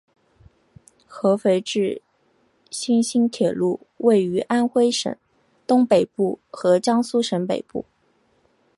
合肥至新沂铁路位于安徽省东北部和江苏省北部。